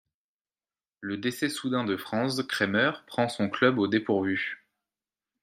Le décès soudain de Franz Kremer prend son club au dépourvu.